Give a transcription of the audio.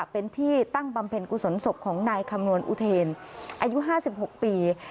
เป็นที่ตั้งบำเพ็ญกุศลศพของนายคำนวณอุเทนอายุ๕๖ปี